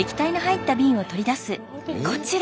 こちら。